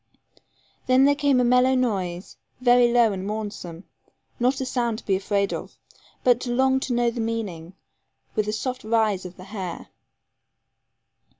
Then there came a mellow noise, very low and mournsome, not a sound to be afraid of, but to long to know the meaning, with a soft rise of the hair.